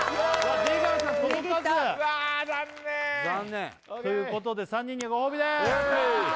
出川さん届かずうわ残念残念ということで３人にご褒美です